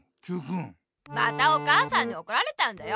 またお母さんにおこられたんだよ。